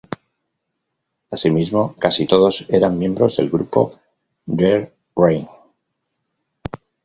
Asimismo, casi todos eran miembros del grupo Der Ring.